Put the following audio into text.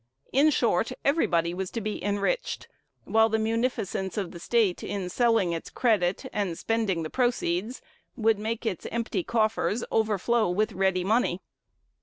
In short, everybody was to be enriched, while the munificence of the State in selling its credit and spending the proceeds would make its empty coffers overflow with ready money.